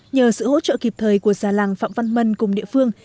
nhờ sự hỗ trợ kịp thời của già làng phạm văn mân cùng địa phương